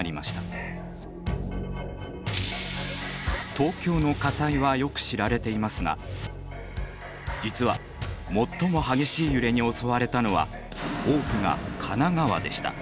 東京の火災はよく知られていますが実は最も激しい揺れに襲われたのは多くが神奈川でした。